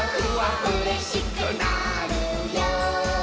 「うれしくなるよ」